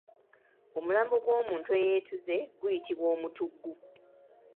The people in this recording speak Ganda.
Omulambo gw’omuntu eyeetuze guyitibwa Omutuggu.